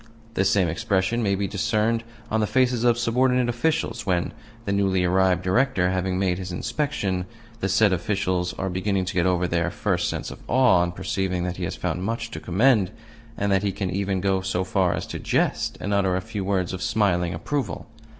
The same expression may be discerned on the faces of subordinate officials when, the newly arrived Director having made his inspection, the said officials are beginning to get over their first sense of awe on perceiving that he has found much to commend, and that he can even go so far as to jest and utter a few words of smiling approval.